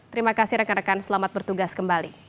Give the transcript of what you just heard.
terima kasih rekan rekan selamat bertugas kembali